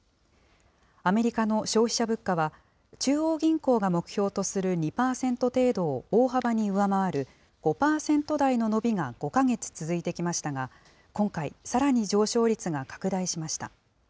アメリカの消費者物価は、中央銀行が目標とする２％程度を大幅に上回る５％台の伸びが５か月続いてきましたが、今回、さらに上昇率が拡大しました。